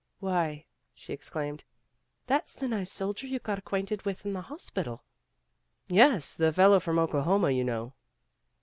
"Why," she exclaimed, "that's the nice soldier you got acquainted with in the hospital." "Yes. The fellow from Oklahoma, you know.